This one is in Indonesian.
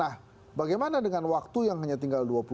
nah bagaimana dengan waktu yang hanya tinggal